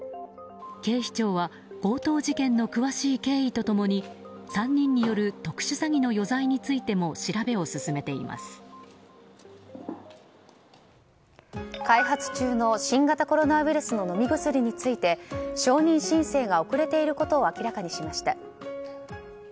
警視庁は強盗事件の詳しい経緯と共に３人による特殊詐欺の余罪についても開発中の新型コロナウイルスの飲み薬について承認申請が遅れていることを明らかにしました。